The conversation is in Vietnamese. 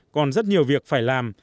còn rất nhiều việc phải làm